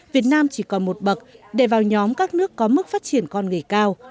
việt nam chỉ còn một bậc để vào nhóm các nước có mức phát triển con người cao